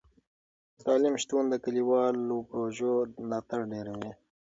د تعلیم شتون د کلیوالو پروژو ملاتړ ډیروي.